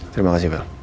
terima kasih vel